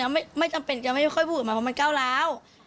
แล้วไม่จำเป็นไม่ค่อยพูดมาเพราะมันก้าวร้าว